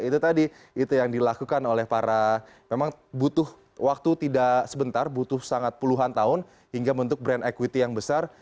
itu tadi itu yang dilakukan oleh para memang butuh waktu tidak sebentar butuh sangat puluhan tahun hingga bentuk brand equity yang besar